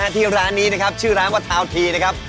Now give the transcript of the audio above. ที่ร้านนี้นะครับชื่อร้านว่าทาวนทีนะครับ